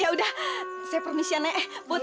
ya udah saya permisi ya nek put